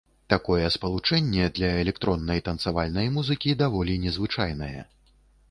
Такое спалучэнне для электроннай танцавальнай музыкі даволі незвычайнае.